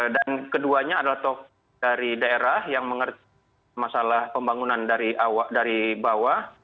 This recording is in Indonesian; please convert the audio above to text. dan keduanya adalah tok dari daerah yang mengerti masalah pembangunan dari bawah